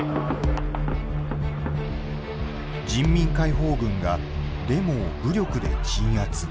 人民解放軍がデモを武力で鎮圧。